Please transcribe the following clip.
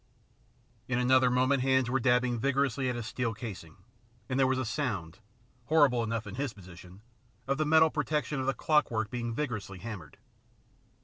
In another moment hands were dabbing vigorously at his steel casing, and there was a sound, horrible enough in his position, of the metal protection of the clockwork being vigorously hammered.